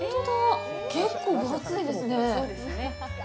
結構分厚いですね。